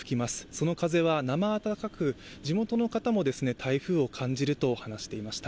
その風はなま暖かく地元の方も台風を感じると話していました。